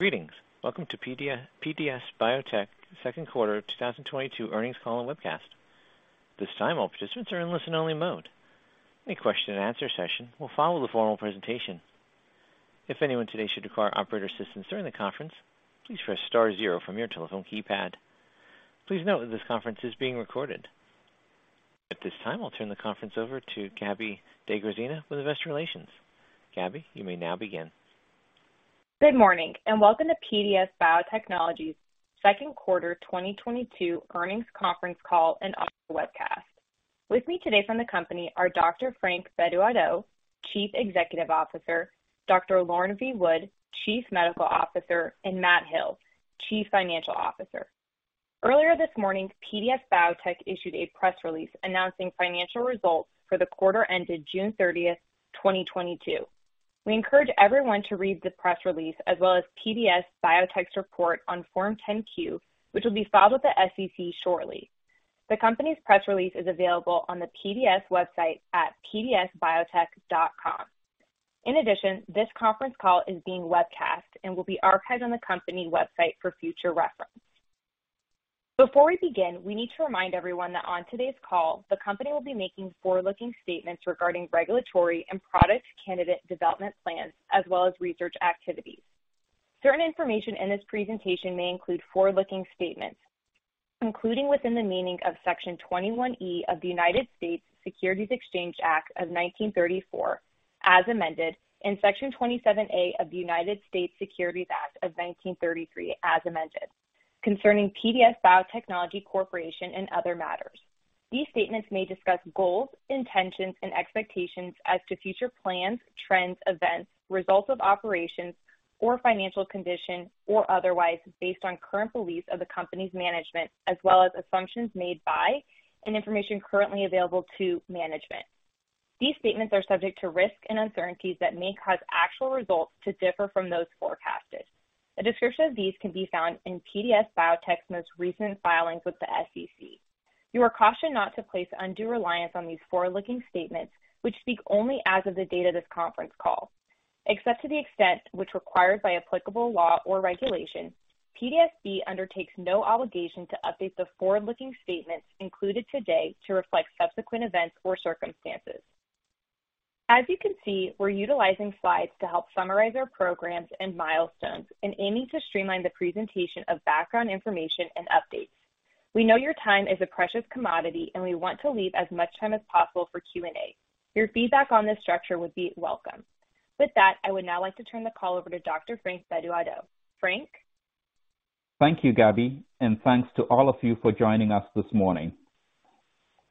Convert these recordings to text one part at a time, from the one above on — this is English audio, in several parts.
Greetings. Welcome to PDS Biotech second quarter 2022 earnings call and webcast. This time, all participants are in listen-only mode. A question-and-answer session will follow the formal presentation. If anyone today should require operator assistance during the conference, please press star zero from your telephone keypad. Please note that this conference is being recorded. At this time, I'll turn the conference over to Gabby DeGravina with Investor Relations. Gabby, you may now begin. Good morning, and welcome to PDS Biotechnology's second quarter 2022 earnings conference call and webcast. With me today from the company are Dr. Frank Bedu-Addo, Chief Executive Officer, Dr. Lauren Wood, Chief Medical Officer, and Matt Hill, Chief Financial Officer. Earlier this morning, PDS Biotech issued a press release announcing financial results for the quarter ended June 30th, 2022. We encourage everyone to read the press release as well as PDS Biotech's report on Form 10-Q, which will be filed with the SEC shortly. The company's press release is available on the PDS website at pdsbiotech.com. In addition, this conference call is being webcasted and will be archived on the company website for future reference. Before we begin, we need to remind everyone that on today's call, the company will be making forward-looking statements regarding regulatory and product candidate development plans, as well as research activities. Certain information in this presentation may include forward-looking statements, including within the meaning of Section 21E of the United States Securities Exchange Act of 1934 as amended, and Section 27A of the United States Securities Act of 1933 as amended, concerning PDS Biotechnology Corporation and other matters. These statements may discuss goals, intentions, and expectations as to future plans, trends, events, results of operations or financial condition, or otherwise based on current beliefs of the company's management, as well as assumptions made by and information currently available to management. These statements are subject to risks and uncertainties that may cause actual results to differ from those forecasted. A description of these can be found in PDS Biotech's most recent filings with the SEC. You are cautioned not to place undue reliance on these forward-looking statements which speak only as of the date of this conference call. Except to the extent which required by applicable law or regulation, PDSB undertakes no obligation to update the forward-looking statements included today to reflect subsequent events or circumstances. As you can see, we're utilizing slides to help summarize our programs and milestones and aiming to streamline the presentation of background information and updates. We know your time is a precious commodity, and we want to leave as much time as possible for Q&A. Your feedback on this structure would be welcome. With that, I would now like to turn the call over to Dr. Frank Bedu-Addo. Frank. Thank you, Gabby, and thanks to all of you for joining us this morning.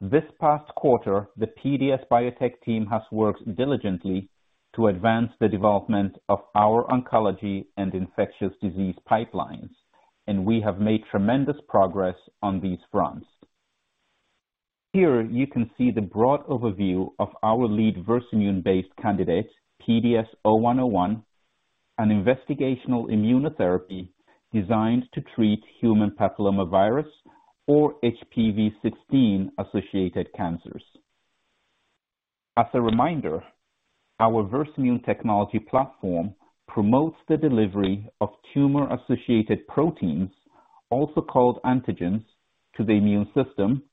This past quarter, the PDS Biotech team has worked diligently to advance the development of our oncology and infectious disease pipelines, and we have made tremendous progress on these fronts. Here you can see the broad overview of our lead Versamune-based candidate, PDS-0101, an investigational immunotherapy designed to treat human papillomavirus or HPV-16 associated cancers. As a reminder, our Versamune technology platform promotes the delivery of tumor-associated proteins, also called antigens, to the immune system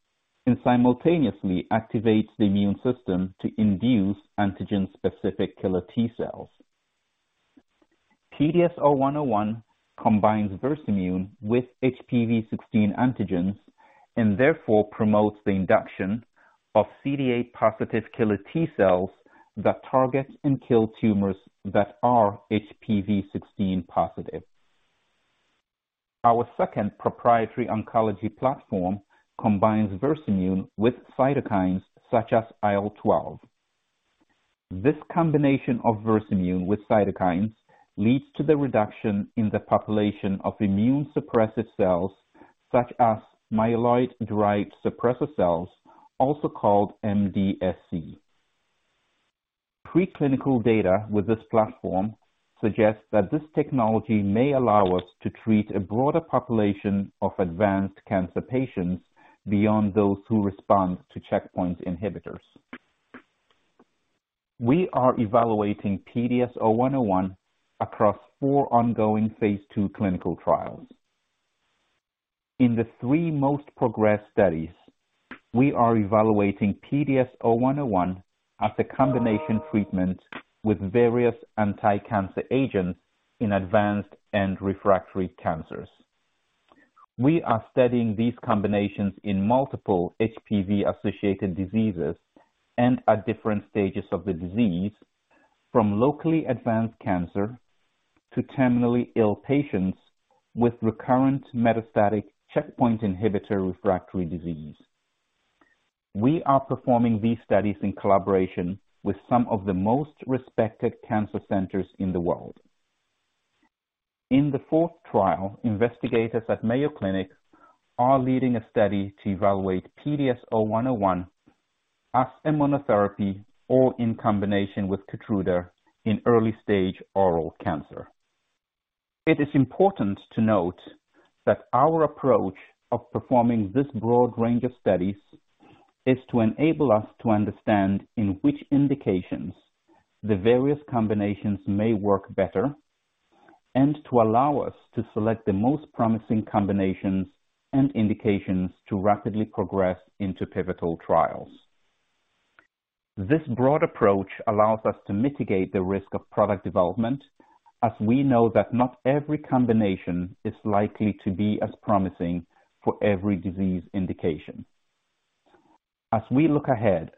and simultaneously activates the immune system to induce antigen-specific killer T-cells. PDS-0101 combines Versamune with HPV-16 antigens and therefore promotes the induction of CD8-positive killer T-cells that target and kill tumors that are HPV-16 positive. Our second proprietary oncology platform combines Versamune with cytokines such as IL-12. This combination of Versamune with cytokines leads to the reduction in the population of immune-suppressive cells such as myeloid-derived suppressor cells, also called MDSC. Preclinical data with this platform suggests that this technology may allow us to treat a broader population of advanced cancer patients beyond those who respond to checkpoint inhibitors. We are evaluating PDS-0101 across four ongoing phase 2 clinical trials. In the three most progressed studies, we are evaluating PDS-0101 as a combination treatment with various anti-cancer agents in advanced and refractory cancers. We are studying these combinations in multiple HPV-associated diseases and at different stages of the disease, from locally advanced cancer to terminally ill patients with recurrent metastatic checkpoint inhibitor refractory disease. We are performing these studies in collaboration with some of the most respected cancer centers in the world. In the fourth trial, investigators at Mayo Clinic are leading a study to evaluate PDS-0101 as a monotherapy or in combination with Keytruda in early-stage oral cancer. It is important to note that our approach of performing this broad range of studies is to enable us to understand in which indications the various combinations may work better and to allow us to select the most promising combinations and indications to rapidly progress into pivotal trials. This broad approach allows us to mitigate the risk of product development, as we know that not every combination is likely to be as promising for every disease indication. As we look ahead,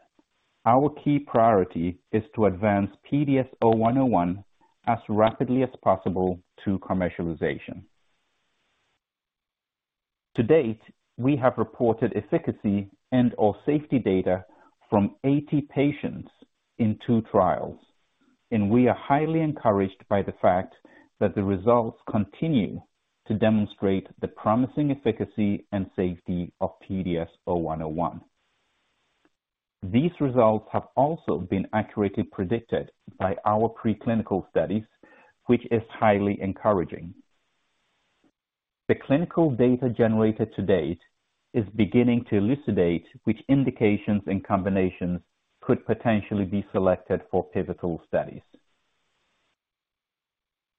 our key priority is to advance PDS-0101 as rapidly as possible to commercialization. To date, we have reported efficacy and/or safety data from 80 patients in two trials, and we are highly encouraged by the fact that the results continue to demonstrate the promising efficacy and safety of PDS-0101. These results have also been accurately predicted by our preclinical studies, which is highly encouraging. The clinical data generated to date is beginning to elucidate which indications and combinations could potentially be selected for pivotal studies.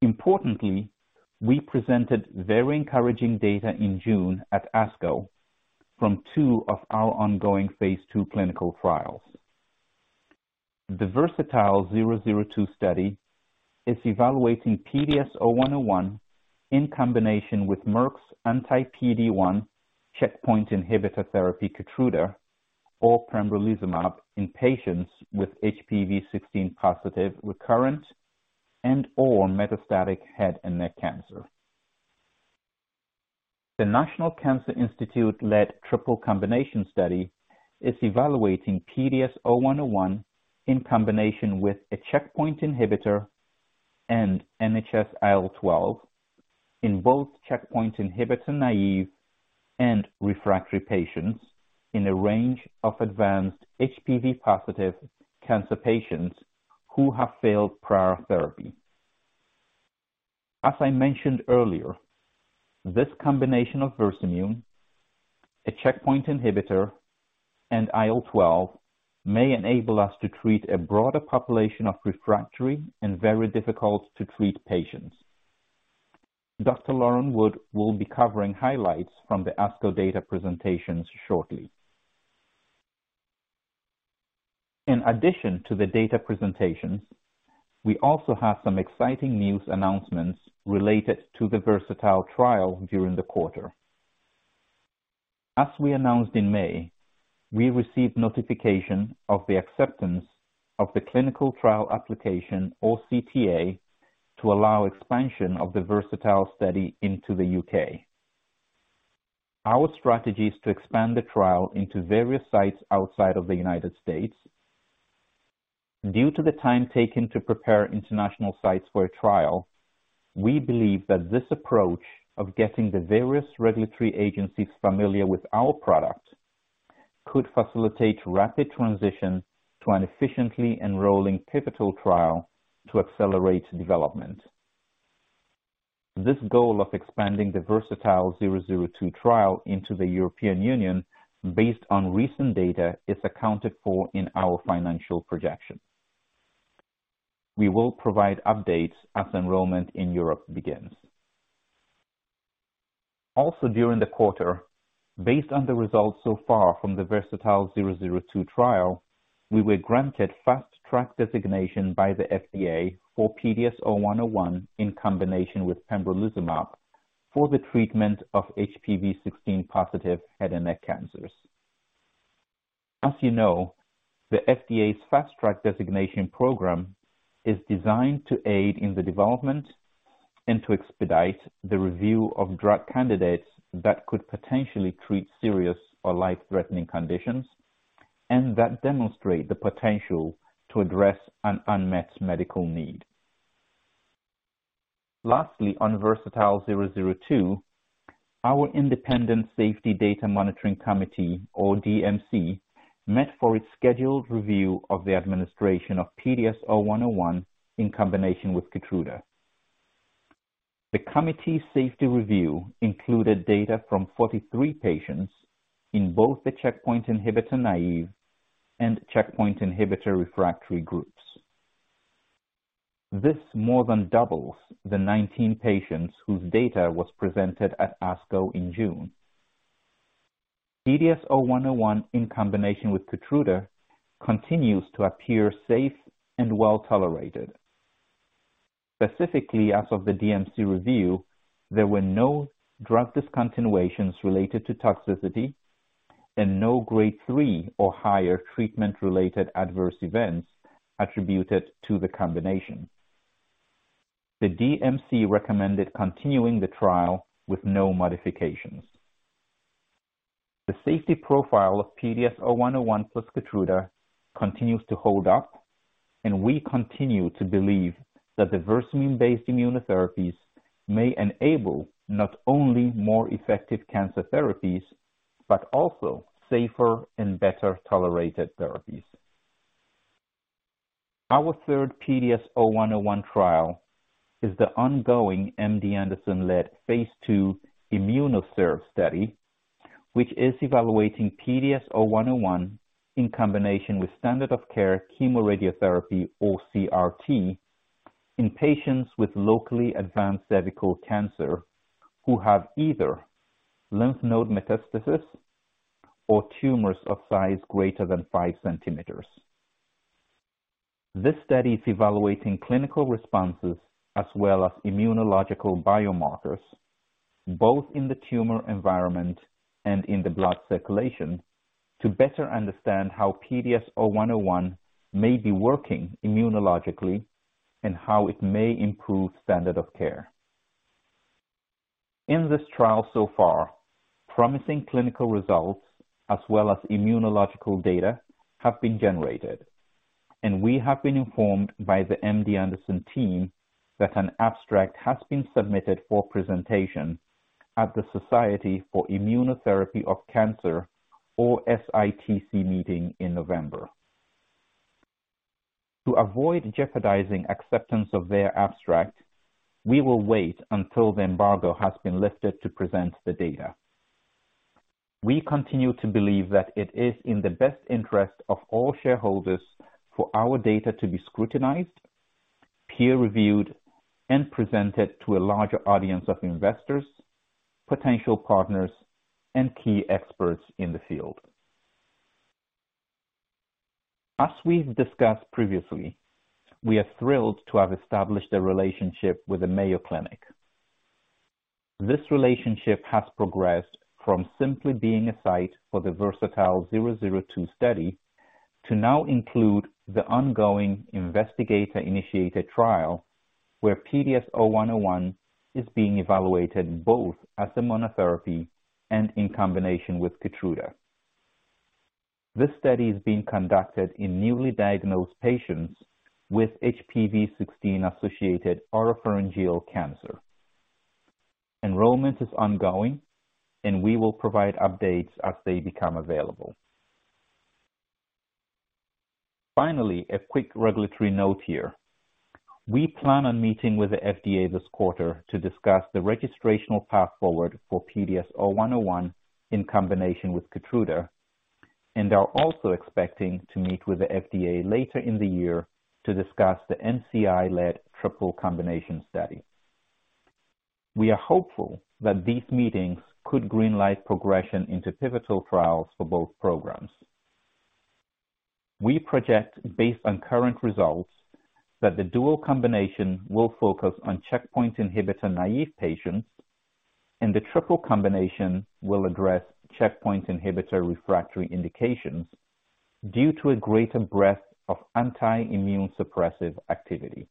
Importantly, we presented very encouraging data in June at ASCO from 2 of our ongoing phase 2 clinical trials. The VERSATILE-002 study is evaluating PDS-0101 in combination with Merck's anti-PD-1 checkpoint inhibitor therapy, Keytruda or pembrolizumab in patients with HPV-16 positive recurrent and/or metastatic head and neck cancer. The National Cancer Institute-led triple combination study is evaluating PDS-0101 in combination with a checkpoint inhibitor and NHS-IL12 in both checkpoint inhibitor-naive and refractory patients in a range of advanced HPV-positive cancer patients who have failed prior therapy. As I mentioned earlier, this combination of Versamune, a checkpoint inhibitor and IL-12 may enable us to treat a broader population of refractory and very difficult to treat patients. Dr. Lauren will be covering highlights from the ASCO data presentations shortly. In addition to the data presentations, we also have some exciting news announcements related to the VERSATILE trial during the quarter. As we announced in May, we received notification of the acceptance of the clinical trial application or CTA to allow expansion of the VERSATILE study into the U.K. Our strategy is to expand the trial into various sites outside of the United States. Due to the time taken to prepare international sites for a trial, we believe that this approach of getting the various regulatory agencies familiar with our product could facilitate rapid transition to an efficiently enrolling pivotal trial to accelerate development. This goal of expanding the VERSATILE-002 trial into the European Union based on recent data is accounted for in our financial projections. We will provide updates as enrollment in Europe begins. Also during the quarter, based on the results so far from the VERSATILE-002 trial, we were granted Fast Track designation by the FDA for PDS-0101 in combination with pembrolizumab for the treatment of HPV-16 positive head and neck cancers. As you know, the FDA's Fast Track Designation Program is designed to aid in the development and to expedite the review of drug candidates that could potentially treat serious or life-threatening conditions, and that demonstrate the potential to address an unmet medical need. Lastly, on VERSATILE-002, our independent Safety Data Monitoring Committee or DMC met for its scheduled review of the administration of PDS-0101 in combination with Keytruda. The committee's safety review included data from 43 patients in both the checkpoint inhibitor-naive and checkpoint inhibitor-refractory groups. This more than doubles the 19 patients whose data was presented at ASCO in June. PDS-0101 in combination with Keytruda continues to appear safe and well-tolerated. Specifically, as of the DMC review, there were no drug discontinuations related to toxicity and no grade 3 or higher treatment-related adverse events attributed to the combination. The DMC recommended continuing the trial with no modifications. The safety profile of PDS-0101 plus Keytruda continues to hold up, and we continue to believe that the Versamune-based immunotherapies may enable not only more effective cancer therapies, but also safer and better-tolerated therapies. Our third PDS-0101 trial is the ongoing MD Anderson-led phase 2 IMMUNOCERV study, which is evaluating PDS-0101 in combination with standard of care chemoradiotherapy or CRT in patients with locally advanced cervical cancer who have either lymph node metastasis or tumors of size greater than five centimeters. This study is evaluating clinical responses as well as immunological biomarkers, both in the tumor environment and in the blood circulation, to better understand how PDS-0101 may be working immunologically and how it may improve standard of care. In this trial so far, promising clinical results as well as immunological data have been generated, and we have been informed by the MD Anderson team that an abstract has been submitted for presentation at the Society for Immunotherapy of Cancer or SITC meeting in November. To avoid jeopardizing acceptance of their abstract, we will wait until the embargo has been lifted to present the data. We continue to believe that it is in the best interest of all shareholders for our data to be scrutinized, peer-reviewed, and presented to a larger audience of investors, potential partners, and key experts in the field. As we've discussed previously, we are thrilled to have established a relationship with the Mayo Clinic. This relationship has progressed from simply being a site for the VERSATILE-002 study to now include the ongoing investigator-initiated trial, where PDS-0101 is being evaluated both as a monotherapy and in combination with Keytruda. This study is being conducted in newly diagnosed patients with HPV-16-associated oropharyngeal cancer. Enrollment is ongoing, and we will provide updates as they become available. Finally, a quick regulatory note here. We plan on meeting with the FDA this quarter to discuss the registrational path forward for PDS-0101 in combination with Keytruda, and are also expecting to meet with the FDA later in the year to discuss the NCI-led triple combination study. We are hopeful that these meetings could green-light progression into pivotal trials for both programs. We project based on current results that the dual combination will focus on checkpoint inhibitor-naïve patients and the triple combination will address checkpoint inhibitor refractory indications due to a greater breadth of anti-immune suppressive activity.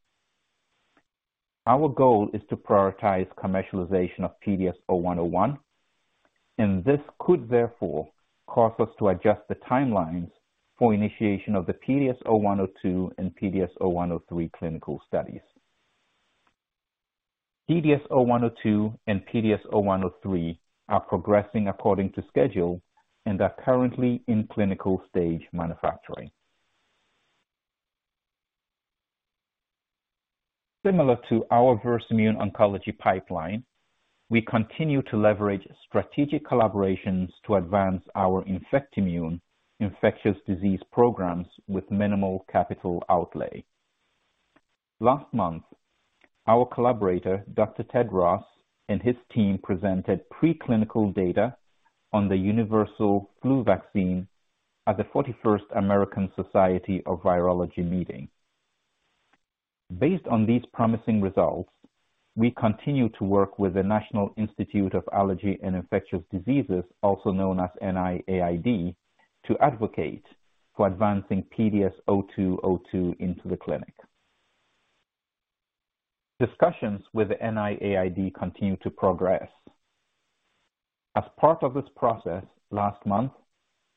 Our goal is to prioritize commercialization of PDS-0101, and this could therefore cause us to adjust the timelines for initiation of the PDS-0102 and PDS-0103 clinical studies. PDS-0102 and PDS-0103 are progressing according to schedule and are currently in clinical stage manufacturing. Similar to our Versamune oncology pipeline, we continue to leverage strategic collaborations to advance our Infectimune infectious disease programs with minimal capital outlay. Last month, our collaborator, Dr. Ted Ross, and his team presented preclinical data on the universal flu vaccine at the 41st American Society for Virology meeting. Based on these promising results, we continue to work with the National Institute of Allergy and Infectious Diseases, also known as NIAID, to advocate for advancing PDS-0202 into the clinic. Discussions with NIAID continue to progress. As part of this process, last month,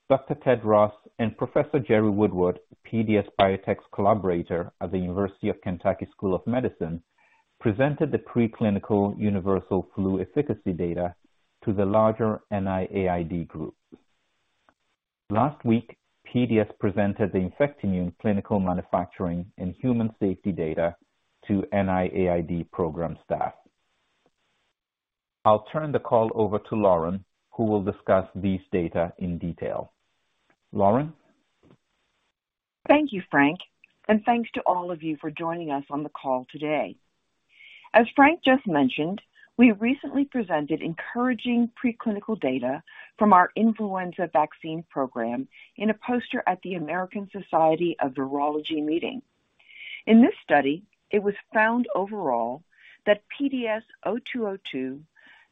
Dr. Ted Ross and Professor Jerold Woodward, PDS Biotechnology's collaborator at the University of Kentucky College of Medicine, presented the preclinical universal flu efficacy data to the larger NIAID group. Last week, PDS presented the Infectimune clinical manufacturing and human safety data to NIAID program staff. I'll turn the call over to Lauren, who will discuss these data in detail. Lauren. Thank you, Frank, and thanks to all of you for joining us on the call today. As Frank just mentioned, we recently presented encouraging preclinical data from our influenza vaccine program in a poster at the American Society for Virology meeting. In this study, it was found overall that PDS-0202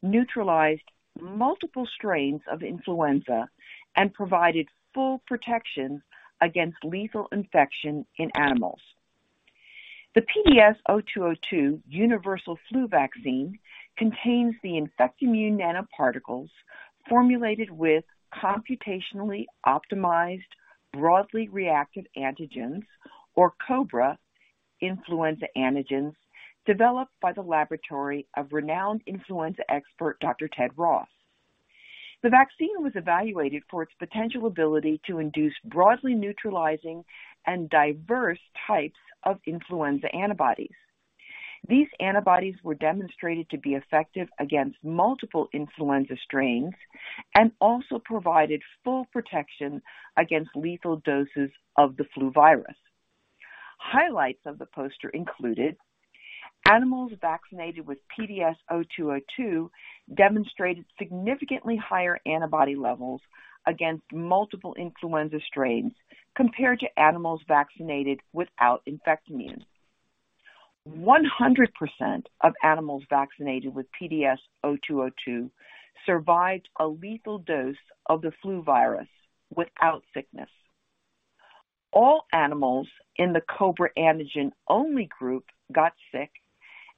neutralized multiple strains of influenza and provided full protection against lethal infection in animals. The PDS-0202 universal flu vaccine contains the Infectimune nanoparticles formulated with computationally optimized broadly reactive antigens or COBRA influenza antigens developed by the laboratory of renowned influenza expert Dr. Ted Ross. The vaccine was evaluated for its potential ability to induce broadly neutralizing and diverse types of influenza antibodies. These antibodies were demonstrated to be effective against multiple influenza strains and also provided full protection against lethal doses of the flu virus. Highlights of the poster included animals vaccinated with PDS-0202 demonstrated significantly higher antibody levels against multiple influenza strains compared to animals vaccinated without Infectimune. 100% of animals vaccinated with PDS-0202 survived a lethal dose of the flu virus without sickness. All animals in the COBRA antigen-only group got sick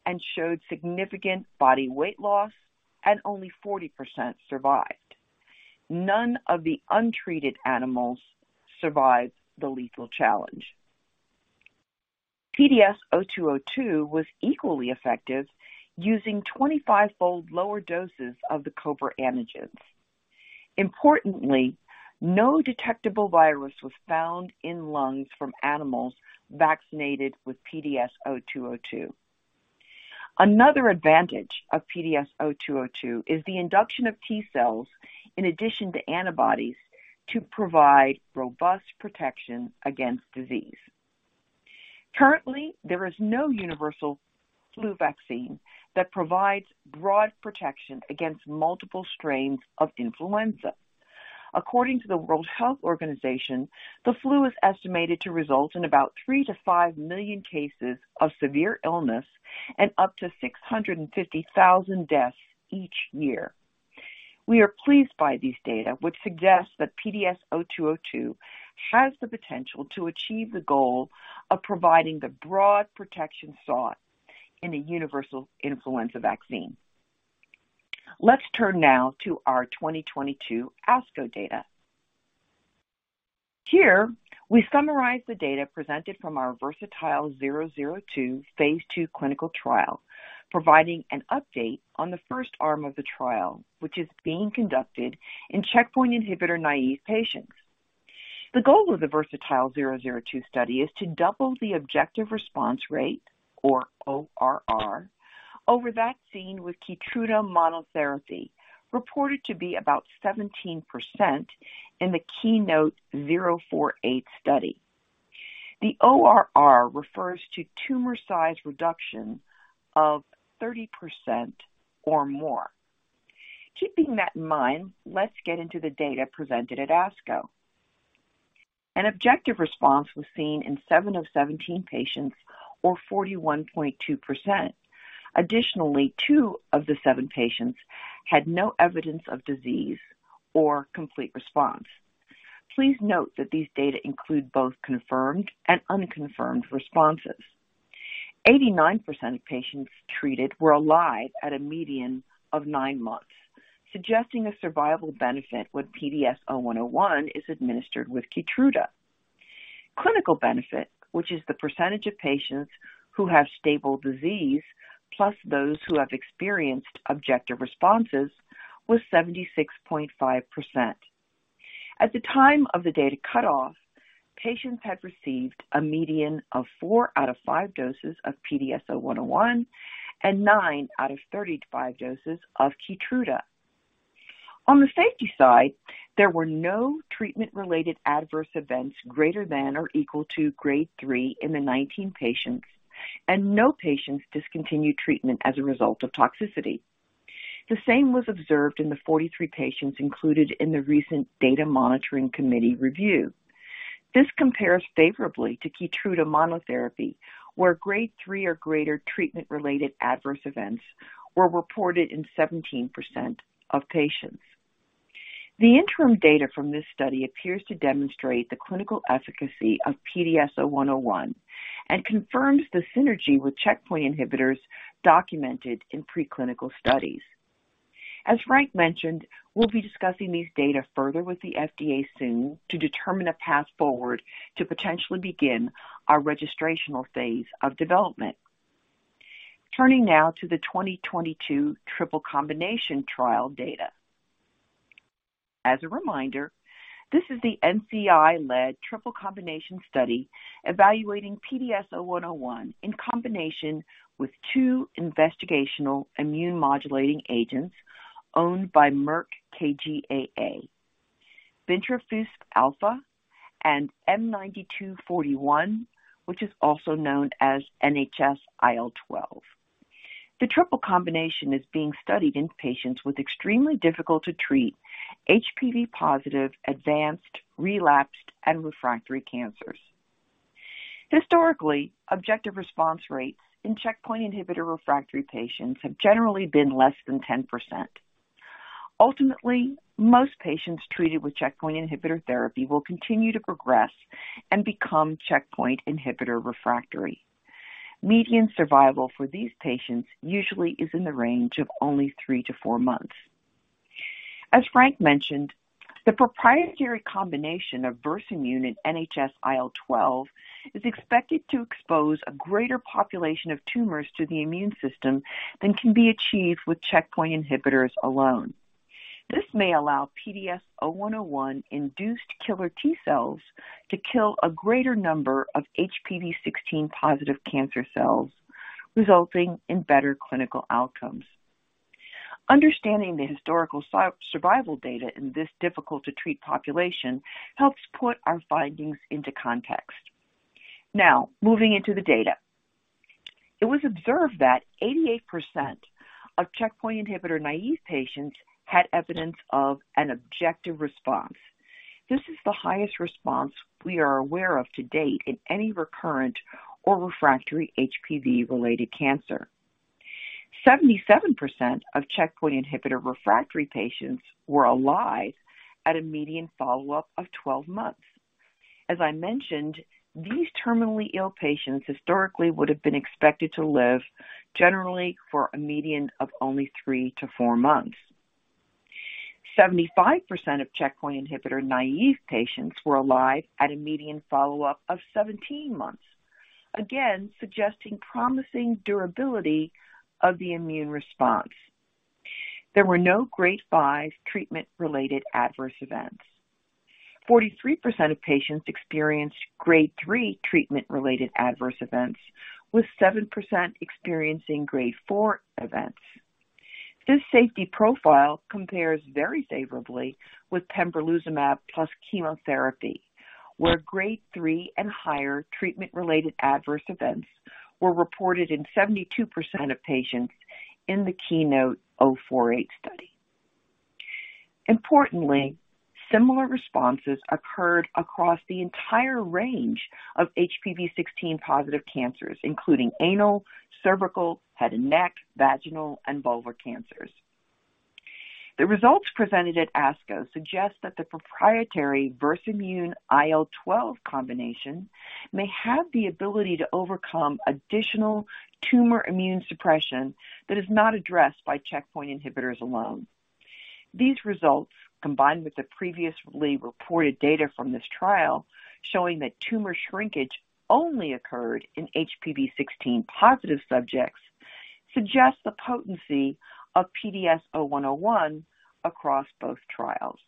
and showed significant body weight loss, and only 40% survived. None of the untreated animals survived the lethal challenge. PDS-0202 was equally effective using 25-fold lower doses of the COBRA antigens. Importantly, no detectable virus was found in lungs from animals vaccinated with PDS-0202. Another advantage of PDS-0202 is the induction of T-cells in addition to antibodies to provide robust protection against disease. Currently, there is no universal flu vaccine that provides broad protection against multiple strains of influenza. According to the World Health Organization, the flu is estimated to result in about 3 million-5 million cases of severe illness and up to 650,000 deaths each year. We are pleased by these data, which suggest that PDS-0202 has the potential to achieve the goal of providing the broad protection sought in a universal influenza vaccine. Let's turn now to our 2022 ASCO data. Here we summarize the data presented from our VERSATILE-002 phase 2 clinical trial, providing an update on the first arm of the trial, which is being conducted in checkpoint inhibitor-naïve patients. The goal of the VERSATILE-002 study is to double the objective response rate, or ORR, over that seen with Keytruda monotherapy, reported to be about 17% in the KEYNOTE-048 study. The ORR refers to tumor size reduction of 30% or more. Keeping that in mind, let's get into the data presented at ASCO. An objective response was seen in seven of 17 patients, or 41.2%. Additionally, two of the seven patients had no evidence of disease or complete response. Please note that these data include both confirmed and unconfirmed responses. 89% of patients treated were alive at a median of nine months, suggesting a survival benefit when PDS-0101 is administered with Keytruda. Clinical benefit, which is the percentage of patients who have stable disease plus those who have experienced objective responses, was 76.5%. At the time of the data cutoff, patients had received a median of four out of five doses of PDS-0101 and nine out of 35 doses of Keytruda. On the safety side, there were no treatment-related adverse events greater than or equal to grade 3 in the 19 patients, and no patients discontinued treatment as a result of toxicity. The same was observed in the 43 patients included in the recent Data Monitoring Committee review. This compares favorably to Keytruda monotherapy, where grade 3 or greater treatment-related adverse events were reported in 17% of patients. The interim data from this study appears to demonstrate the clinical efficacy of PDS-0101 and confirms the synergy with checkpoint inhibitors documented in preclinical studies. As Frank mentioned, we'll be discussing these data further with the FDA soon to determine a path forward to potentially begin our registrational phase of development. Turning now to the 2022 triple combination trial data. As a reminder, this is the NCI-led triple combination study evaluating PDS-0101 in combination with two investigational immune-modulating agents owned by Merck KGaA, bintrafusp alfa and M9241, which is also known as NHS-IL12. The triple combination is being studied in patients with extremely difficult-to-treat HPV-positive advanced, relapsed, and refractory cancers. Historically, objective response rates in checkpoint inhibitor refractory patients have generally been less than 10%. Ultimately, most patients treated with checkpoint inhibitor therapy will continue to progress and become checkpoint inhibitor refractory. Median survival for these patients usually is in the range of only three to four months. As Frank mentioned. The proprietary combination of Versamune and NHS-IL12 is expected to expose a greater population of tumors to the immune system than can be achieved with checkpoint inhibitors alone. This may allow PDS-0101 induced killer T cells to kill a greater number of HPV-16 positive cancer cells, resulting in better clinical outcomes. Understanding the historical survival data in this difficult to treat population helps put our findings into context. Now, moving into the data. It was observed that 88% of checkpoint inhibitor-naive patients had evidence of an objective response. This is the highest response we are aware of to date in any recurrent or refractory HPV-related cancer. 77% of checkpoint inhibitor refractory patients were alive at a median follow-up of 12 months. As I mentioned, these terminally ill patients historically would have been expected to live generally for a median of only three to four months. 75% of checkpoint inhibitor-naive patients were alive at a median follow-up of 17 months, again suggesting promising durability of the immune response. There were no grade 5 treatment-related adverse events. 43% of patients experienced grade 3 treatment-related adverse events, with 7% experiencing grade 4 events. This safety profile compares very favorably with pembrolizumab plus chemotherapy, where grade 3 and higher treatment-related adverse events were reported in 72% of patients in the KEYNOTE-048 study. Importantly, similar responses occurred across the entire range of HPV-16 positive cancers, including anal, cervical, head and neck, vaginal, and vulvar cancers. The results presented at ASCO suggest that the proprietary Versamune IL-12 combination may have the ability to overcome additional tumor immune suppression that is not addressed by checkpoint inhibitors alone. These results, combined with the previously reported data from this trial showing that tumor shrinkage only occurred in HPV-16 positive subjects, suggests the potency of PDS-0101 across both trials.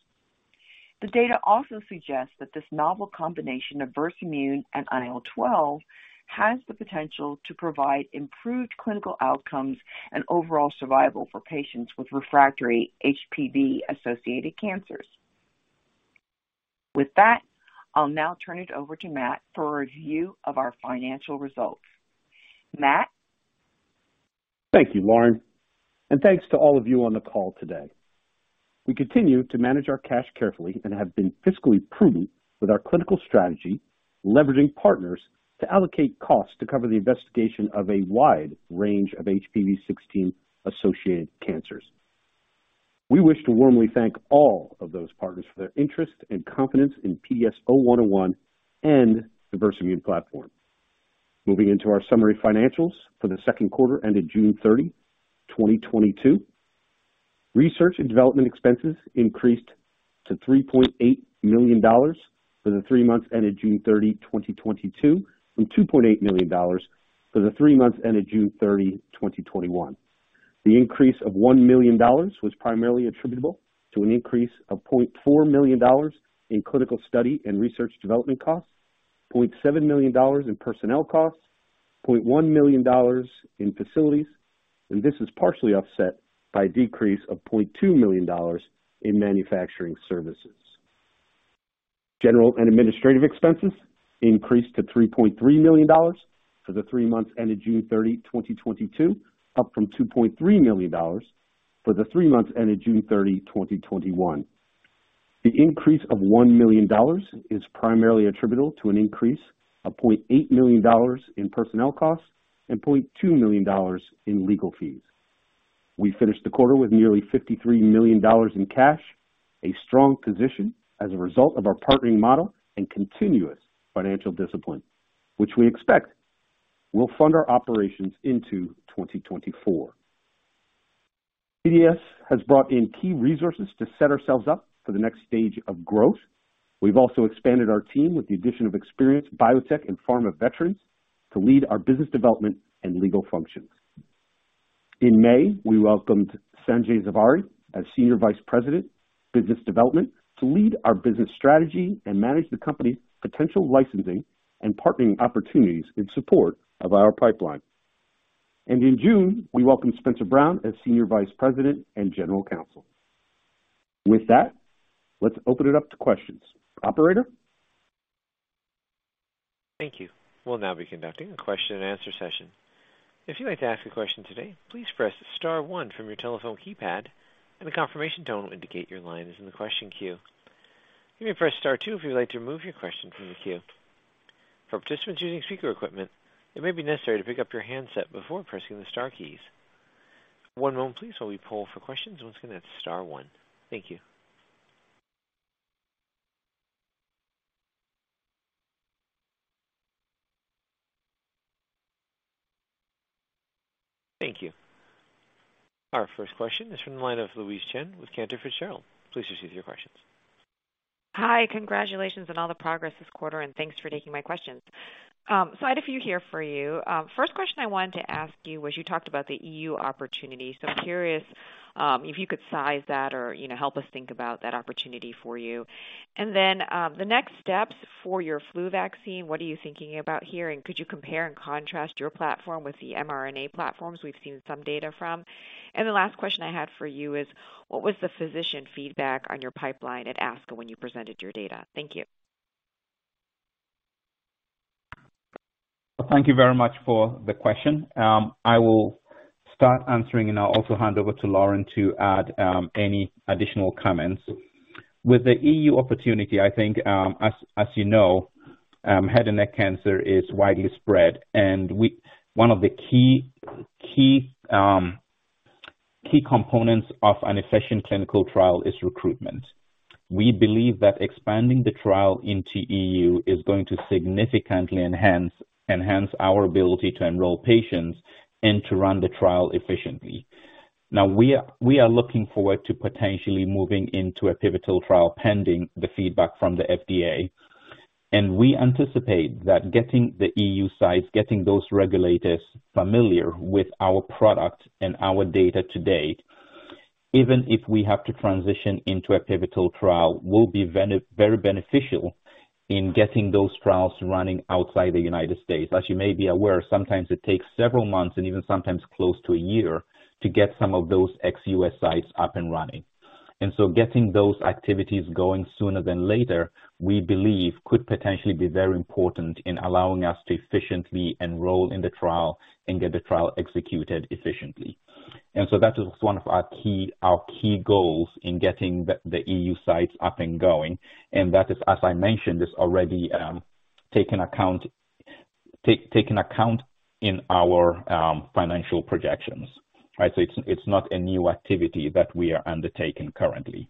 The data also suggests that this novel combination of Versamune and IL-12 has the potential to provide improved clinical outcomes and overall survival for patients with refractory HPV-associated cancers. With that, I'll now turn it over to Matt for a review of our financial results. Matt? Thank you, Lauren. Thanks to all of you on the call today. We continue to manage our cash carefully and have been fiscally prudent with our clinical strategy, leveraging partners to allocate costs to cover the investigation of a wide range of HPV-16 associated cancers. We wish to warmly thank all of those partners for their interest and confidence in PDS-0101 and the Versamune platform. Moving into our summary financials for the second quarter ended June 30, 2022. Research and development expenses increased to $3.8 million for the three months ended June 30, 2022, from $2.8 million for the three months ended June 30, 2021. The increase of $1 million was primarily attributable to an increase of $0.4 million in clinical study and research development costs, $0.7 million in personnel costs, $0.1 million in facilities. This is partially offset by a decrease of $0.2 million in manufacturing services. General and administrative expenses increased to $3.3 million for the three months ended June 30, 2022, up from $2.3 million for the three months ended June 30, 2021. The increase of $1 million is primarily attributable to an increase of $0.8 million in personnel costs and $0.2 million in legal fees. We finished the quarter with nearly $53 million in cash, a strong position as a result of our partnering model and continuous financial discipline, which we expect will fund our operations into 2024. PDS has brought in key resources to set ourselves up for the next stage of growth. We've also expanded our team with the addition of experienced biotech and pharma veterans to lead our business development and legal functions. In May, we welcomed Sanjay Zaveri as Senior Vice President, Business Development, to lead our business strategy and manage the company's potential licensing and partnering opportunities in support of our pipeline. In June, we welcomed Spencer Brown as Senior Vice President and General Counsel. With that, let's open it up to questions. Operator? Thank you. We'll now be conducting a question-and-answer session. If you'd like to ask a question today, please press star one from your telephone keypad and a confirmation tone will indicate your line is in the question queue. You may press star two if you'd like to remove your question from the queue. For participants using speaker equipment, it may be necessary to pick up your handset before pressing the star keys. One moment please, while we poll for questions. Once again, that's star one. Thank you. Thank you. Our first question is from the line of Louise Chen with Cantor Fitzgerald. Please proceed with your question. Hi. Congratulations on all the progress this quarter, and thanks for taking my questions. I had a few here for you. First question I wanted to ask you was, you talked about the EU opportunity. I'm curious, if you could size that or, you know, help us think about that opportunity for you. The next steps for your flu vaccine, what are you thinking about here? Could you compare and contrast your platform with the mRNA platforms we've seen some data from? The last question I had for you is, what was the physician feedback on your pipeline at ASCO when you presented your data? Thank you. Thank you very much for the question. I will start answering, and I'll also hand over to Lauren to add any additional comments. With the EU opportunity, I think, as you know, head and neck cancer is widespread. One of the key components of an efficient clinical trial is recruitment. We believe that expanding the trial into EU is going to significantly enhance our ability to enroll patients and to run the trial efficiently. Now, we are looking forward to potentially moving into a pivotal trial pending the feedback from the FDA. We anticipate that getting the EU sites, getting those regulators familiar with our product and our data to date, even if we have to transition into a pivotal trial, will be very beneficial in getting those trials running outside the United States. As you may be aware, sometimes it takes several months and even sometimes close to a year to get some of those ex-US sites up and running. Getting those activities going sooner than later, we believe, could potentially be very important in allowing us to efficiently enroll in the trial and get the trial executed efficiently. That is one of our key goals in getting the EU sites up and going. That is, as I mentioned, already taken account in our financial projections, right? It's not a new activity that we are undertaking currently.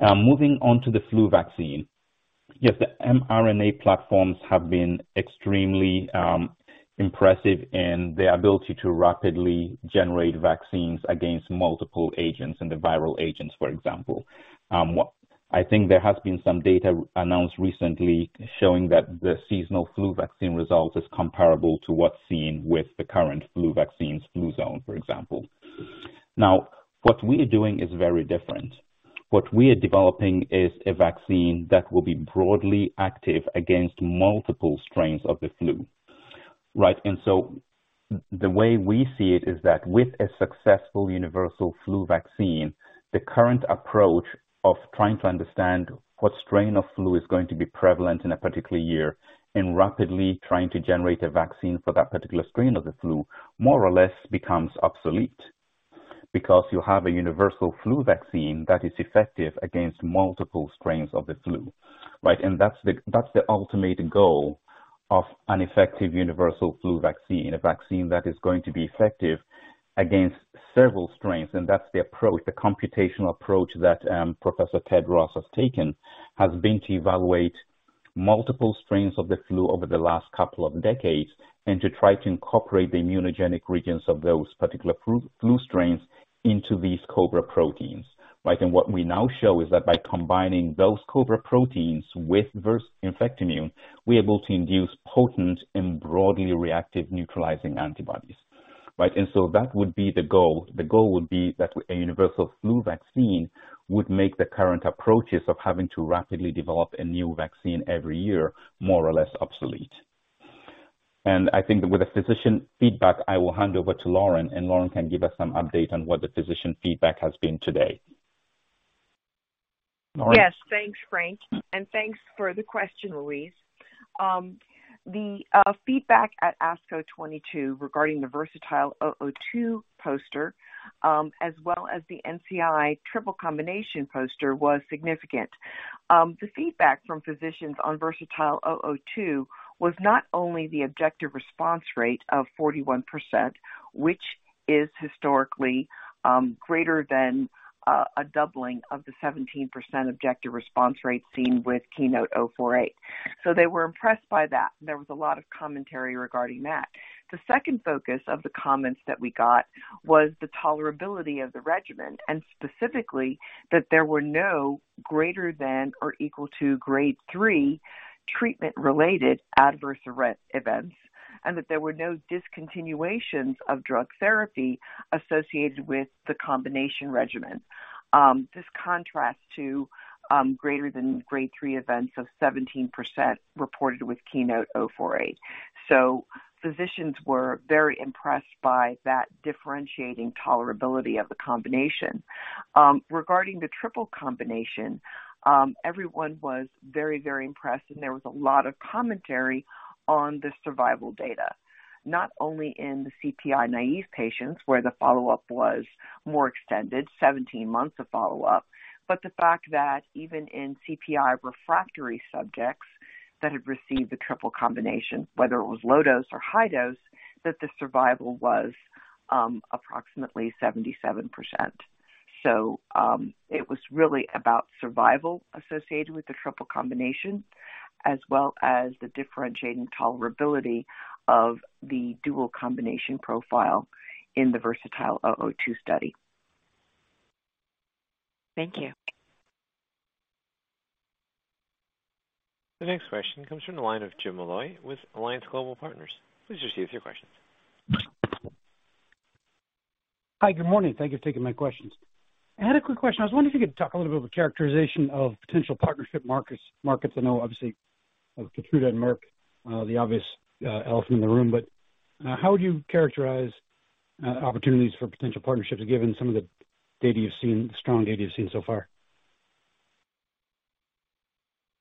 Moving on to the flu vaccine. Yes, the mRNA platforms have been extremely impressive in their ability to rapidly generate vaccines against multiple agents and the viral agents, for example. I think there has been some data announced recently showing that the seasonal flu vaccine result is comparable to what's seen with the current flu vaccines, Fluzone, for example. Now, what we are doing is very different. What we are developing is a vaccine that will be broadly active against multiple strains of the flu, right? The way we see it is that with a successful universal flu vaccine, the current approach of trying to understand what strain of flu is going to be prevalent in a particular year and rapidly trying to generate a vaccine for that particular strain of the flu more or less becomes obsolete because you have a universal flu vaccine that is effective against multiple strains of the flu, right? That's the ultimate goal of an effective universal flu vaccine. A vaccine that is going to be effective against several strains. That's the approach. The computational approach that Professor Ted Ross has taken has been to evaluate multiple strains of the flu over the last couple of decades and to try to incorporate the immunogenic regions of those particular flu strains into these COBRA proteins, right? What we now show is that by combining those COBRA proteins with Versamune Infectimune, we're able to induce potent and broadly reactive neutralizing antibodies, right? That would be the goal. The goal would be that a universal flu vaccine would make the current approaches of having to rapidly develop a new vaccine every year more or less obsolete. I think with the physician feedback, I will hand over to Lauren, and Lauren can give us some update on what the physician feedback has been today. Lauren? Yes, thanks, Frank. Thanks for the question, Louise. The feedback at ASCO 2022 regarding the VERSATILE-002 poster, as well as the NCI triple combination poster was significant. The feedback from physicians on VERSATILE-002 was not only the objective response rate of 41%, which is historically greater than a doubling of the 17% objective response rate seen with KEYNOTE-048. They were impressed by that. There was a lot of commentary regarding that. The second focus of the comments that we got was the tolerability of the regimen, and specifically that there were no greater than or equal to grade 3 treatment-related adverse events, and that there were no discontinuations of drug therapy associated with the combination regimen. This contrasts to greater than grade 3 events of 17% reported with KEYNOTE-048. Physicians were very impressed by that differentiating tolerability of the combination. Regarding the triple combination, everyone was very, very impressed, and there was a lot of commentary on the survival data, not only in the CPI-naïve patients, where the follow-up was more extended, 17 months of follow-up, but the fact that even in CPI refractory subjects that had received the triple combination, whether it was low dose or high dose, that the survival was approximately 77%. It was really about survival associated with the triple combination, as well as the differentiating tolerability of the dual combination profile in the VERSATILE-002 study. Thank you. The next question comes from the line of James Molloy with Alliance Global Partners. Please proceed with your questions. Hi. Good morning. Thank you for taking my questions. I had a quick question. I was wondering if you could talk a little bit about the characterization of potential partnership markets. Markets, I know obviously of Keytruda and Merck, the obvious elephant in the room, but how would you characterize opportunities for potential partnerships given some of the data you've seen, strong data you've seen so far?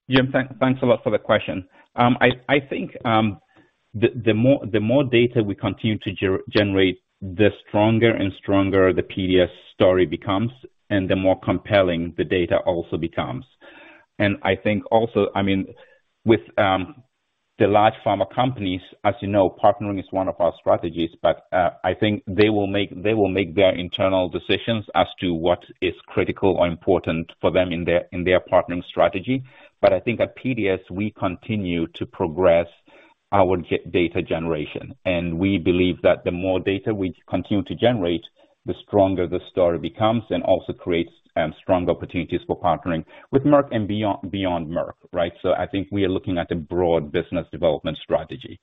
Jim, thanks a lot for the question. I think the more data we continue to generate, the stronger and stronger the PDS story becomes, and the more compelling the data also becomes. I think also, I mean, with the large pharma companies, as you know, partnering is one of our strategies, but I think they will make their internal decisions as to what is critical or important for them in their partnering strategy. I think at PDS, we continue to progress our data generation, and we believe that the more data we continue to generate, the stronger the story becomes and also creates strong opportunities for partnering with Merck and beyond Merck, right? I think we are looking at a broad business development strategy.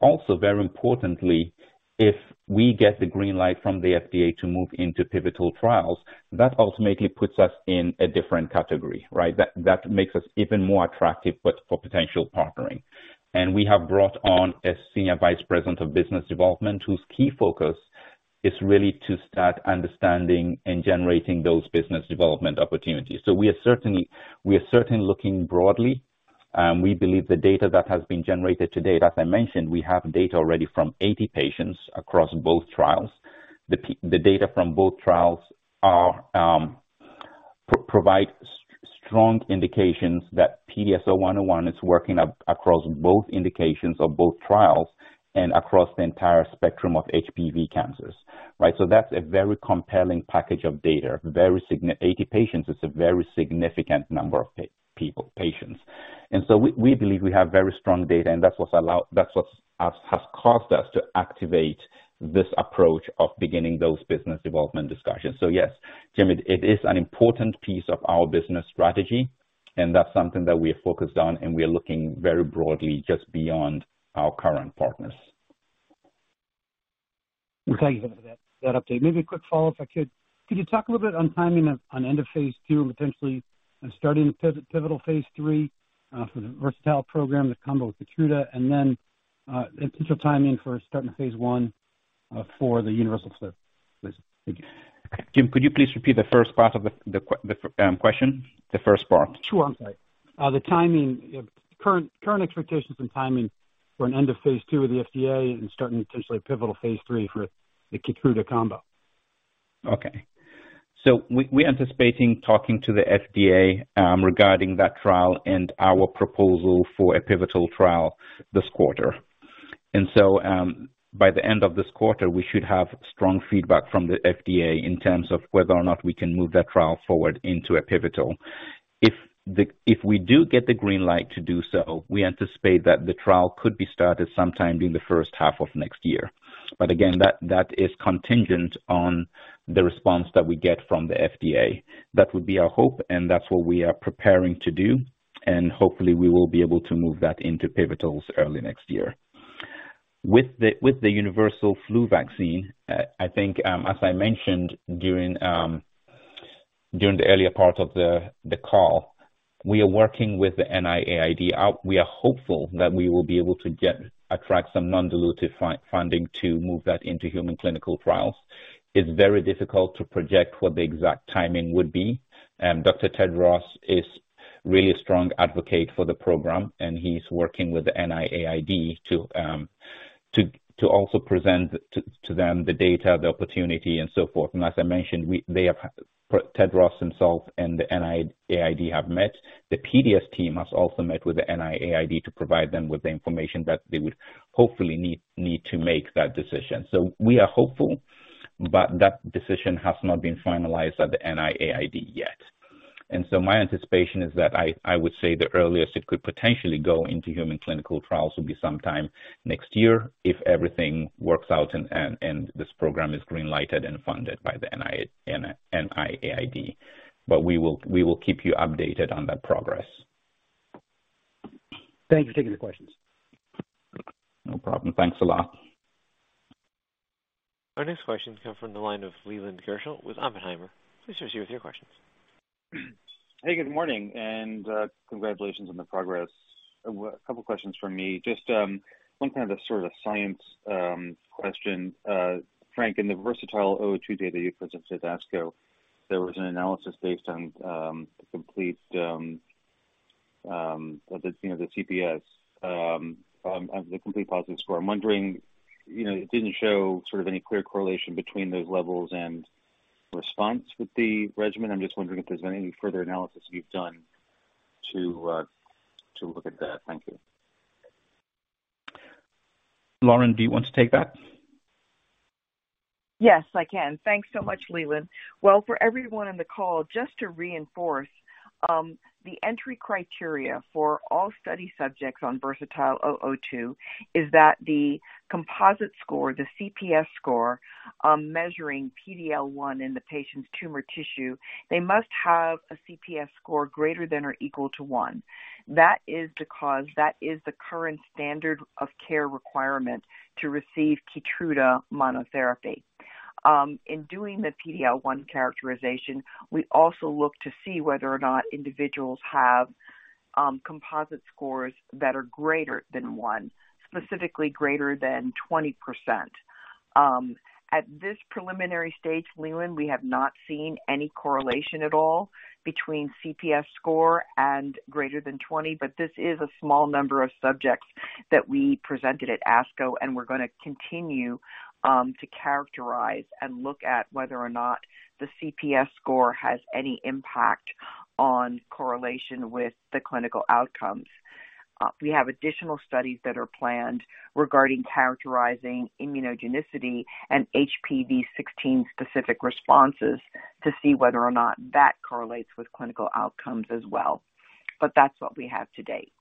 Also, very importantly, if we get the green light from the FDA to move into pivotal trials, that ultimately puts us in a different category, right? That makes us even more attractive for potential partnering. We have brought on a Senior Vice President of business development whose key focus is really to start understanding and generating those business development opportunities. We are certainly looking broadly, and we believe the data that has been generated to date. As I mentioned, we have data already from 80 patients across both trials. The data from both trials provide strong indications that PDS-0101 is working across both indications of both trials and across the entire spectrum of HPV cancers, right? That's a very compelling package of data. Very significant. 80 patients is a very significant number of people, patients. We believe we have very strong data, and that's what has caused us to activate this approach of beginning those business development discussions. Yes, Jim, it is an important piece of our business strategy, and that's something that we are focused on, and we are looking very broadly just beyond our current partners. Well, thank you for that update. Maybe a quick follow-up if I could. Could you talk a little bit on timing of end of phase 2 and potentially on starting pivotal phase 3 for the VERSATILE program, the combo with Keytruda, and then potential timing for starting a phase 1 for the universal flu vaccine? Thank you. Jim, could you please repeat the first part of the question? The first part. Sure. I'm sorry. The timing, current expectations and timing for an end of phase 2 with the FDA and starting potentially a pivotal phase 3 for the Keytruda combo. We're anticipating talking to the FDA regarding that trial and our proposal for a pivotal trial this quarter. By the end of this quarter, we should have strong feedback from the FDA in terms of whether or not we can move that trial forward into a pivotal. If we do get the green light to do so, we anticipate that the trial could be started sometime in the first half of next year. That is contingent on the response that we get from the FDA. That would be our hope, and that's what we are preparing to do, and hopefully, we will be able to move that into pivotals early next year. With the universal flu vaccine, I think, as I mentioned during the earlier part of the call, we are working with the NIAID. We are hopeful that we will be able to attract some non-dilutive funding to move that into human clinical trials. It's very difficult to project what the exact timing would be. Dr. Ted Ross is really a strong advocate for the program, and he's working with the NIAID to also present to them the data, the opportunity and so forth. As I mentioned, Ted Ross himself and the NIAID have met. The PDS team has also met with the NIAID to provide them with the information that they would hopefully need to make that decision. We are hopeful, but that decision has not been finalized at the NIAID yet. My anticipation is that I would say the earliest it could potentially go into human clinical trials would be sometime next year if everything works out and this program is green-lighted and funded by the NIAID. We will keep you updated on that progress. Thank you for taking the questions. No problem. Thanks a lot. Our next question comes from the line of Leland Gershell with Oppenheimer. Please proceed with your questions. Hey, good morning, congratulations on the progress. A couple questions from me. Just one kind of sort of science question. Frank, in the VERSATILE-002 data you presented at ASCO, there was an analysis based on the CPS, the complete positive score. You know, it didn't show sort of any clear correlation between those levels and response with the regimen. I'm just wondering if there's any further analysis you've done to look at that. Thank you. Lauren, do you want to take that? Yes, I can. Thanks so much, Leland. Well, for everyone on the call, just to reinforce, the entry criteria for all study subjects on VERSATILE-002 is that the composite score, the CPS score, measuring PD-L1 in the patient's tumor tissue, they must have a CPS score greater than or equal to one. That is because that is the current standard of care requirement to receive Keytruda monotherapy. In doing the PD-L1 characterization, we also look to see whether or not individuals have composite scores that are greater than one, specifically greater than 20%. At this preliminary stage, Leland, we have not seen any correlation at all between CPS score and greater than 20, but this is a small number of subjects that we presented at ASCO, and we're gonna continue to characterize and look at whether or not the CPS score has any impact on correlation with the clinical outcomes. We have additional studies that are planned regarding characterizing immunogenicity and HPV-16 specific responses to see whether or not that correlates with clinical outcomes as well. That's what we have to date.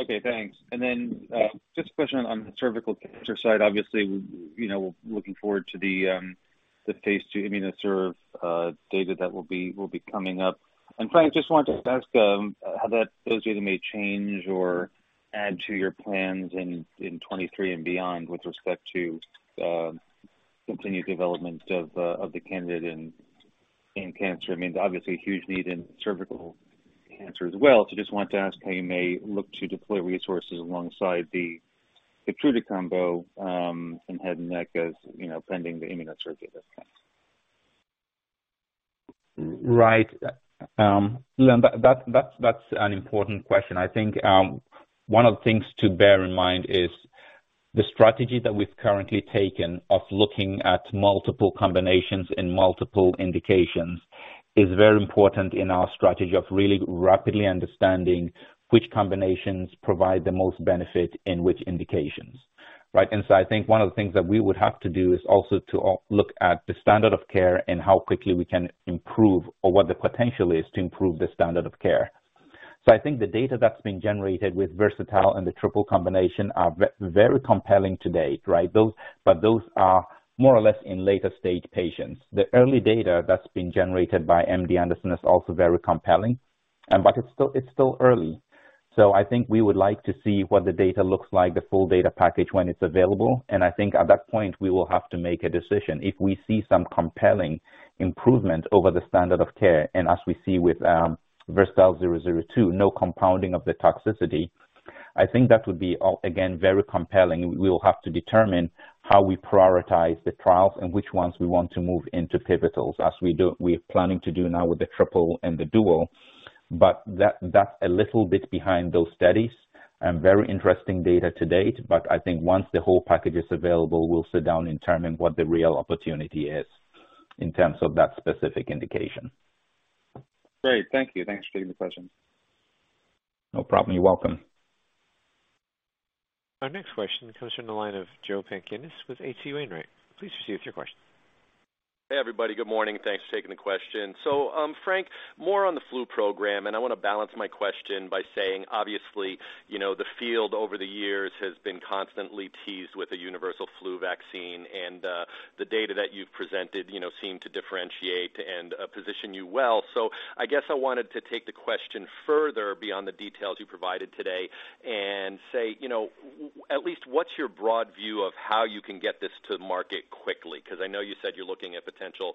Okay, thanks. Then just a question on the cervical cancer side. Obviously, we're looking forward to the phase 2 IMMUNOCERV data that will be coming up. Frank, just wanted to ask how those data may change or add to your plans in 2023 and beyond with respect to continued development of the candidate in cancer. I mean, there's obviously a huge need in cervical cancer as well. Just wanted to ask how you may look to deploy resources alongside the Keytruda combo in head and neck, you know, pending the IMMUNOCERV data. Right. That's an important question. I think one of the things to bear in mind is the strategy that we've currently taken of looking at multiple combinations and multiple indications is very important in our strategy of really rapidly understanding which combinations provide the most benefit in which indications. Right? I think one of the things that we would have to do is also to look at the standard of care and how quickly we can improve or what the potential is to improve the standard of care. I think the data that's been generated with Versatile and the triple combination are very compelling to date, right? Those are more or less in later stage patients. The early data that's been generated by MD Anderson is also very compelling, but it's still early. I think we would like to see what the data looks like, the full data package when it's available. I think at that point, we will have to make a decision. If we see some compelling improvement over the standard of care, and as we see with Versatile-002, no compounding of the toxicity, I think that would be again, very compelling. We will have to determine how we prioritize the trials and which ones we want to move into pivotals as we do, we're planning to do now with the triple and the dual. That's a little bit behind those studies and very interesting data to date. I think once the whole package is available, we'll sit down and determine what the real opportunity is in terms of that specific indication. Great. Thank you. Thanks for taking the question. No problem. You're welcome. Our next question comes from the line of Joseph Pantginis with H.C. Wainwright. Please proceed with your question. Hey, everybody. Good morning. Thanks for taking the question. Frank, more on the flu program, and I wanna balance my question by saying, obviously, you know, the field over the years has been constantly teased with a universal flu vaccine, and the data that you've presented, you know, seem to differentiate and position you well. I guess I wanted to take the question further beyond the details you provided today and say, you know, at least what's your broad view of how you can get this to market quickly? 'Cause I know you said you're looking at potential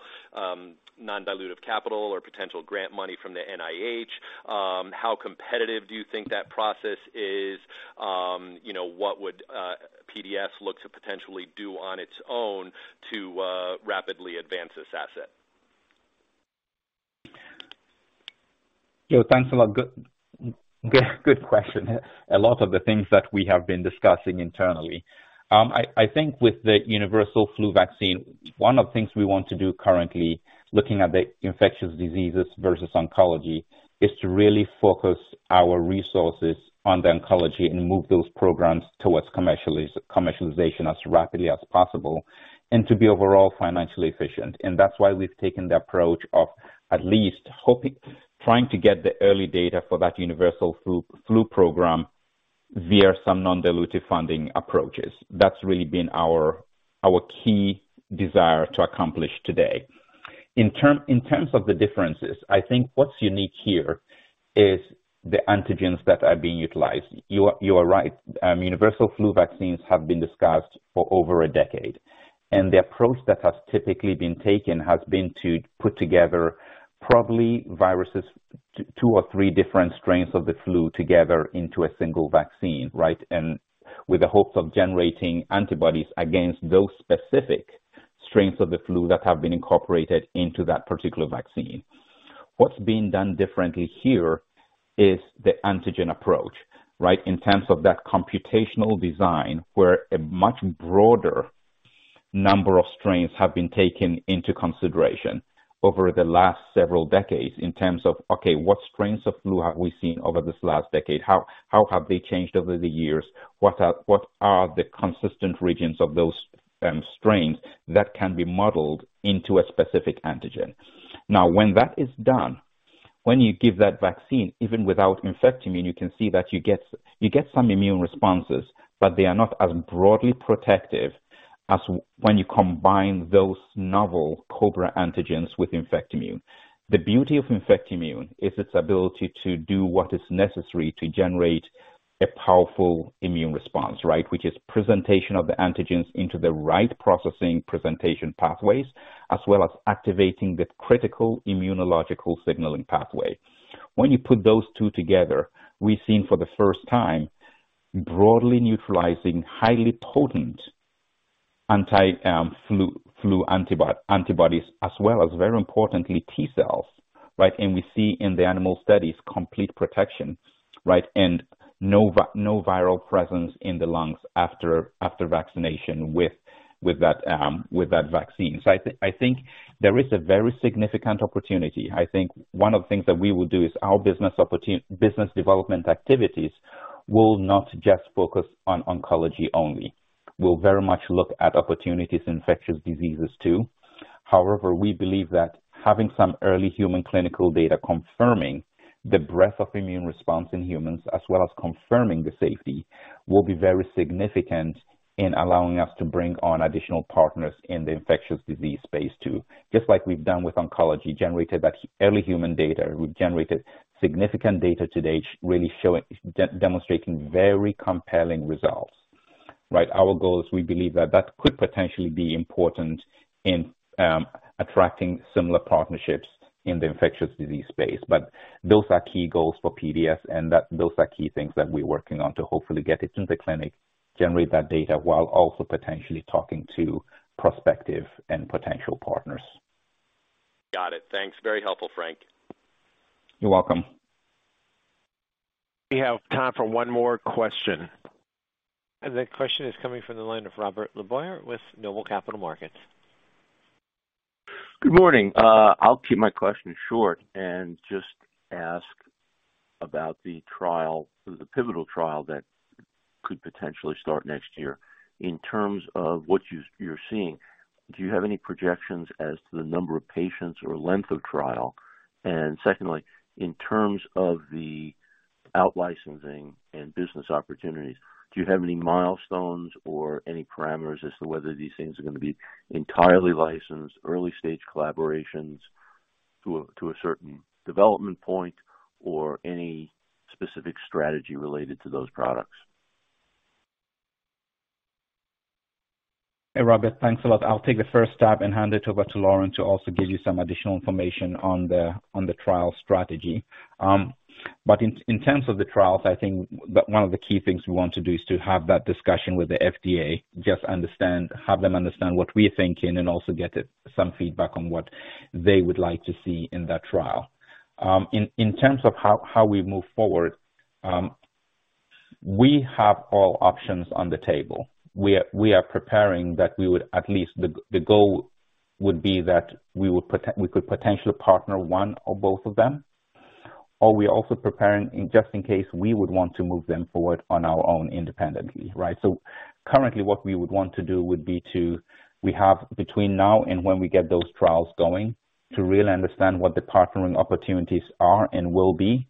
non-dilutive capital or potential grant money from the NIH. How competitive do you think that process is? You know, what would PDS look to potentially do on its own to rapidly advance this asset? Joe, thanks a lot. Good question. A lot of the things that we have been discussing internally. I think with the universal flu vaccine, one of the things we want to do currently, looking at the infectious diseases versus oncology, is to really focus our resources on the oncology and move those programs towards commercialization as rapidly as possible and to be overall financially efficient. That's why we've taken the approach of at least trying to get the early data for that universal flu program via some non-dilutive funding approaches. That's really been our key desire to accomplish today. In terms of the differences, I think what's unique here is the antigens that are being utilized. You are right. Universal flu vaccines have been discussed for over a decade, and the approach that has typically been taken has been to put together probably viruses, two or three different strains of the flu together into a single vaccine, right? With the hopes of generating antibodies against those specific strains of the flu that have been incorporated into that particular vaccine. What's being done differently here is the antigen approach, right? In terms of that computational design, where a much broader number of strains have been taken into consideration over the last several decades in terms of, okay, what strains of flu have we seen over this last decade? How have they changed over the years? What are the consistent regions of those strains that can be modeled into a specific antigen? Now, when that is done, when you give that vaccine, even without Infectimune, you can see that you get some immune responses, but they are not as broadly protective as when you combine those novel COBRA antigens with Infectimune. The beauty of Infectimune is its ability to do what is necessary to generate a powerful immune response, right? Which is presentation of the antigens into the right processing presentation pathways, as well as activating the critical immunological signaling pathway. When you put those two together, we've seen for the first time, broadly neutralizing highly potent anti-flu antibodies as well as, very importantly, T cells, right? We see in the animal studies complete protection, right? No viral presence in the lungs after vaccination with that vaccine. I think there is a very significant opportunity. I think one of the things that we will do is our business development activities will not just focus on oncology only. We'll very much look at opportunities in infectious diseases too. However, we believe that having some early human clinical data confirming the breadth of immune response in humans, as well as confirming the safety, will be very significant in allowing us to bring on additional partners in the infectious disease space, too. Just like we've done with oncology, generated that early human data, we've generated significant data to date, really demonstrating very compelling results, right? Our goal is we believe that that could potentially be important in attracting similar partnerships in the infectious disease space. Those are key goals for PDS, and those are key things that we're working on to hopefully get it into the clinic, generate that data while also potentially talking to prospective and potential partners. Got it. Thanks. Very helpful, Frank. You're welcome. We have time for one more question. The question is coming from the line of Robert LeBoyer with Noble Capital Markets. Good morning. I'll keep my question short and just ask about the trial, the pivotal trial that could potentially start next year. In terms of what you're seeing, do you have any projections as to the number of patients or length of trial? And secondly, in terms of the out-licensing and business opportunities, do you have any milestones or any parameters as to whether these things are gonna be entirely licensed, early-stage collaborations to a, to a certain development point or any specific strategy related to those products? Hey, Robert. Thanks a lot. I'll take the first stab and hand it over to Lauren to also give you some additional information on the trial strategy. In terms of the trials, I think one of the key things we want to do is to have that discussion with the FDA, just understand, have them understand what we are thinking and also get some feedback on what they would like to see in that trial. In terms of how we move forward, we have all options on the table. We are preparing that we would at least the goal would be that we could potentially partner one or both of them. We are also preparing, in just in case we would want to move them forward on our own independently, right? Currently, we have between now and when we get those trials going to really understand what the partnering opportunities are and will be,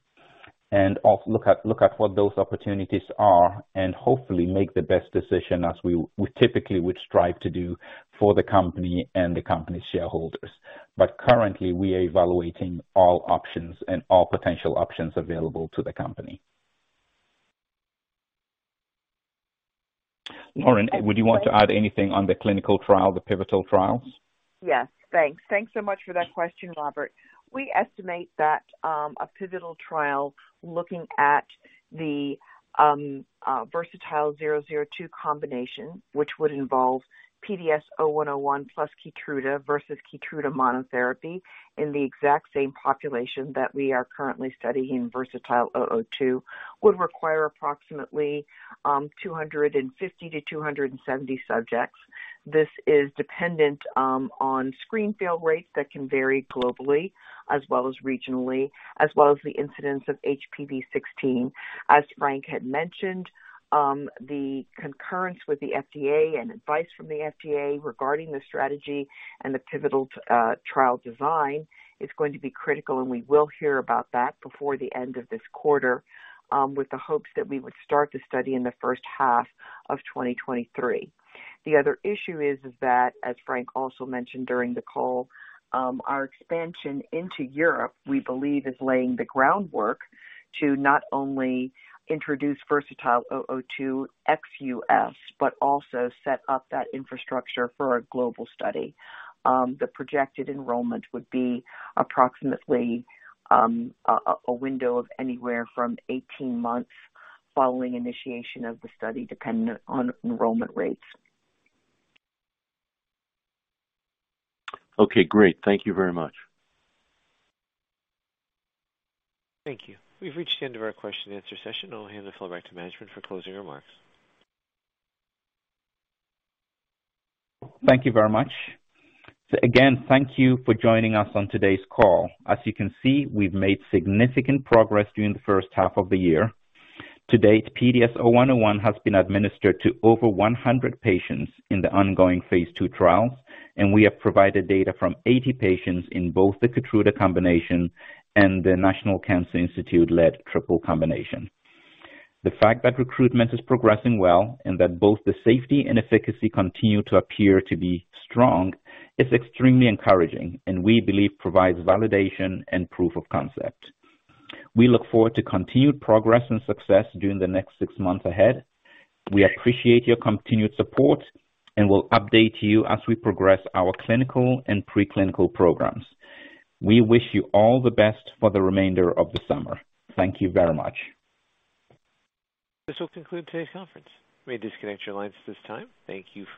and also look at what those opportunities are and hopefully make the best decision as we typically would strive to do for the company and the company's shareholders. Currently, we are evaluating all options and all potential options available to the company. Lauren, would you want to add anything on the clinical trial, the pivotal trials? Yes. Thanks. Thanks so much for that question, Robert. We estimate that a pivotal trial looking at the VERSATILE-002 combination, which would involve PDS-0101 plus Keytruda versus Keytruda monotherapy in the exact same population that we are currently studying VERSATILE-002, would require approximately 250-270 subjects. This is dependent on screen fail rates that can vary globally as well as regionally, as well as the incidence of HPV-16. As Frank had mentioned, the concurrence with the FDA and advice from the FDA regarding the strategy and the pivotal trial design is going to be critical, and we will hear about that before the end of this quarter, with the hopes that we would start the study in the first half of 2023. The other issue is that, as Frank also mentioned during the call, our expansion into Europe, we believe is laying the groundwork to not only introduce VERSATILE-002 ex-US, but also set up that infrastructure for a global study. The projected enrollment would be approximately a window of anywhere from 18 months following initiation of the study, dependent on enrollment rates. Okay, great. Thank you very much. Thank you. We've reached the end of our question-and-answer session. I'll hand the floor back to management for closing remarks. Thank you very much. Again, thank you for joining us on today's call. As you can see, we've made significant progress during the first half of the year. To date, PDS-0101 has been administered to over 100 patients in the ongoing phase 2 trials, and we have provided data from 80 patients in both the Keytruda combination and the National Cancer Institute-led triple combination. The fact that recruitment is progressing well and that both the safety and efficacy continue to appear to be strong is extremely encouraging and we believe provides validation and proof of concept. We look forward to continued progress and success during the next six months ahead. We appreciate your continued support, and we'll update you as we progress our clinical and preclinical programs. We wish you all the best for the remainder of the summer. Thank you very much. This will conclude today's conference. You may disconnect your lines at this time. Thank you for your participation.